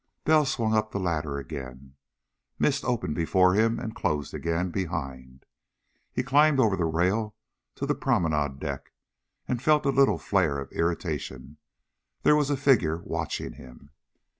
Bell swung up the ladder again. Mist opened before him and closed again behind. He climbed over the rail to the promenade deck, and felt a little flare of irritation. There was a figure watching him.